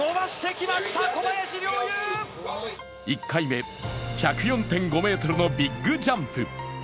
１回目、１０４．５ｍのビッグジャンプ。